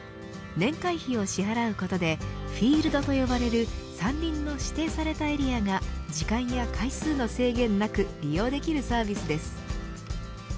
年会費を支払うことでフィールドと呼ばれる山林の指定されたエリアが時間や回数の制限なく利用できるサービスです。